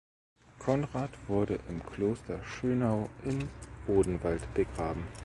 Konrad wurde im Kloster Schönau im Odenwald begraben.